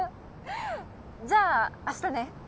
じゃあ明日ね。